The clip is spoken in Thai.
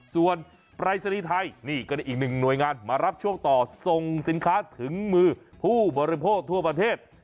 ส่วนปรายศนีย์ไทยนี่ก็ได้อีกหนึ่งหน่วยงานมารับช่วงต่อส่งสินค้าถึงมือผู้บริโภคทั่วประเทศ